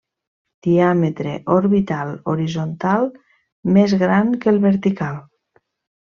Diàmetre orbital horitzontal més gran que el vertical.